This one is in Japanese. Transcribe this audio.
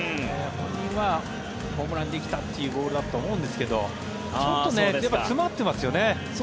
本人はホームランにできたというボールだったと思うんですけどちょっとね、詰まってますよね。